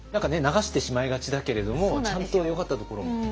流してしまいがちだけれどもちゃんとよかったところも。